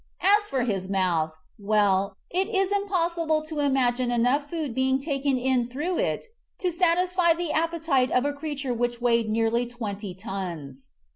As for his mouth, well, it is impossible to imagine enough food being taken in through it to satisfy the appetite of a creature which weighed nearly twenty tons.